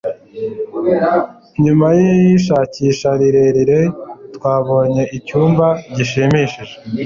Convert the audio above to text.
Nyuma yishakisha rirerire, twabonye icyumba gishimishije.